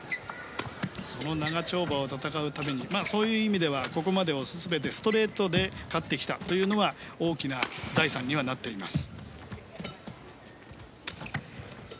その長丁場を戦うためにそういう意味ではここまで全てストレートで勝ってきたというのは大きな財産にはなっています。